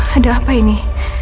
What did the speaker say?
ada apa ini